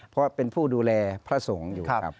เพราะเป็นผู้ดูแลพระสงฆ์อยู่ครับ